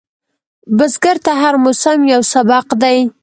بزګر ته هر موسم یو سبق دی